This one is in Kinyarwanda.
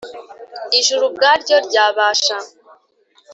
Ijuru ubwaryo ryabasha